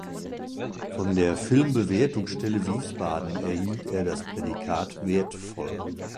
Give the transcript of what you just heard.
Von der Filmbewertungsstelle Wiesbaden erhielt er das Prädikat „wertvoll“.